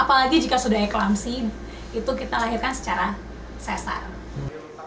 apalagi jika sudah eklamasi itu kita lahirkan secara sesar